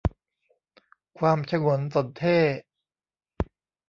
ความฉงนสนเท่ห์